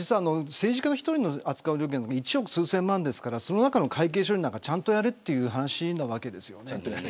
政治家１人の扱うものは１億数千万ですからその中の会計処理なんかちゃんとやれという話なんです。